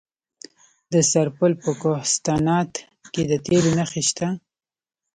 د سرپل په کوهستانات کې د تیلو نښې شته.